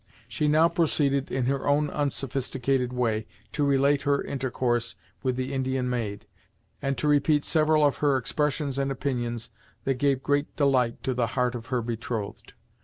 She now proceeded in her own unsophisticated way to relate her intercourse with the Indian maid, and to repeat several of her expressions and opinions that gave great delight to the heart of her betrothed.